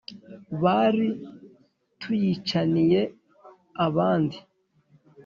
bari tuyicaniye abandi